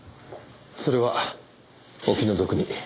それはお気の毒に。